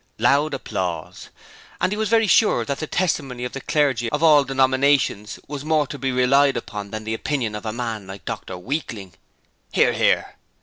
(Loud applause.) And he was very sure that the testimony of the clergy of all denominations was more to be relied upon than the opinion of a man like Dr Weakling. (Hear, hear.)